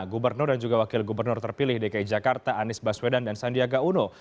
gubernur dan juga wakil gubernur terpilih dki jakarta anies baswedan dan sandiaga uno